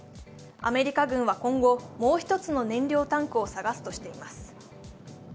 アメリカ軍は今後、もう一つの燃料タンクを探すとしています。